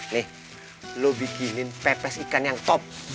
nih lo bikinin pepes ikan yang top